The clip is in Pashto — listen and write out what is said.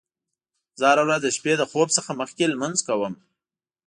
زه هره ورځ د شپې له خوب څخه مخکې لمونځ کوم